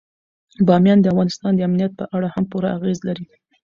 بامیان د افغانستان د امنیت په اړه هم پوره اغېز لري.